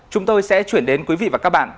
chúng tôi sẽ chuyển đến quý vị và các bạn